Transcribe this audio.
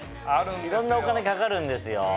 いろんなお金かかるんですよ。